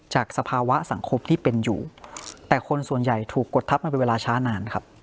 สภาวะสังคมที่เป็นอยู่แต่คนส่วนใหญ่ถูกกดทับมันเป็นเวลาช้านานครับ